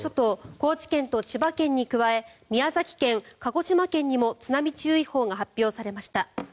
高知県と千葉県に加え宮崎県、鹿児島県にも津波注意報が発表されました。